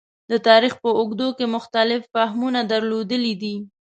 د تاریخ په اوږدو کې مختلف فهمونه درلودلي دي.